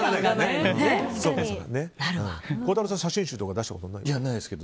孝太郎さん、写真集とか出したことないですか？